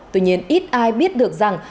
tuy nhiên ít ai biết được rằng